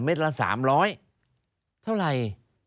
ละ๓๐๐เท่าไหร่